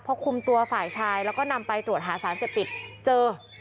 พอคุมตัวฝ่ายชายแล้วก็นำไปตรวจหาสารเสพติดเจอ